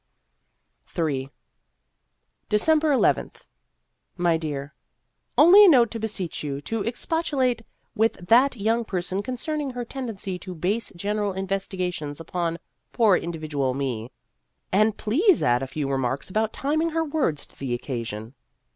Ill December nth. MY DEAR : Only a note to beseech you to expos tulate with that young person concerning her tendency to base general investiga tions upon poor individual me. And please add a few remarks about timing her words to the occasion.